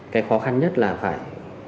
cái khó khăn nhất là phải